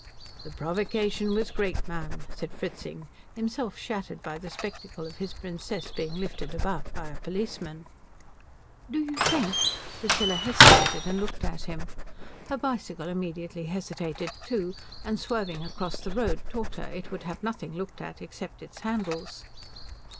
"The provocation was great, ma'am," said Fritzing, himself shattered by the spectacle of his Princess being lifted about by a policeman. "Do you think " Priscilla hesitated, and looked at him. Her bicycle immediately hesitated too, and swerving across the road taught her it would have nothing looked at except its handles.